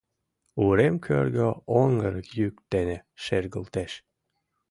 Урем кӧргӧ оҥгыр йӱк дене шергылтеш.